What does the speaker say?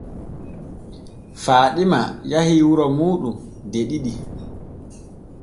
Faaɗima yahii wuro muuɗum de ɗiɗi.